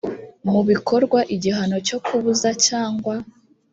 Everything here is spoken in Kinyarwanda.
mu bikorwa igihano cyo kubuza cyangwa